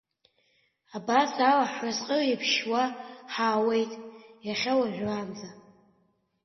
Абас ала ҳразҟы еиԥшьуа ҳаауеит иахьа уажәраанӡа.